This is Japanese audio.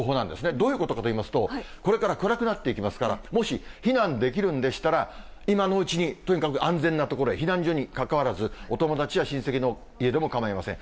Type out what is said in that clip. どういうことかといいますと、これから暗くなっていきますから、もし、避難できるんでしたら、今のうちに、とにかく安全な所へ、避難所にかかわらず、お友達や親戚の家でもかまいません。